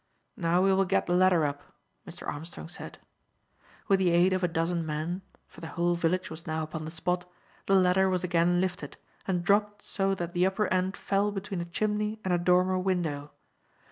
"Now we will get the ladder up," Mr. Armstrong said. With the aid of a dozen men for the whole village was now upon the spot the ladder was again lifted, and dropped so that the upper end fell between a chimney and a dormer window.